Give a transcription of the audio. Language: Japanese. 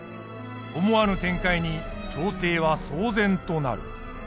思わぬ展開に朝廷は騒然となる。